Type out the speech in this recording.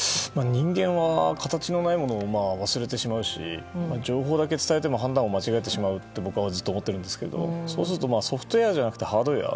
人間は形のないものを忘れてしまうし情報だけ伝えても判断を間違えてしまうと思うんですがそうするとソフトウェアじゃなくてハードウェア。